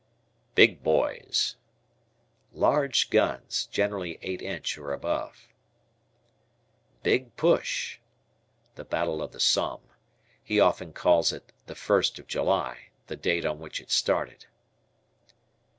"Big Boys." Large guns, generally eight inch or above. "Big Push." "The Battle of the Somme." He often calls it "The First of July," the date on which it started.